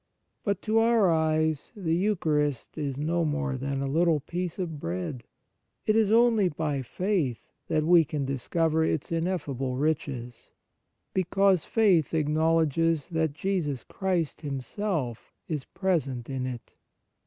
But to our eyes the Eucharist is no more than a little piece of bread ; it is only by faith that we can discover its ineffable riches, because faith acknowledges that Jesus Christ Himself is present in it.